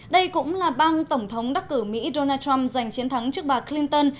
đây cũng là bang tổng thống đắc cử mỹ donald trump giành chiến thắng trước bà clinton